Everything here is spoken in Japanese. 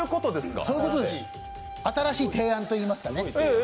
新しい提案といいますかね。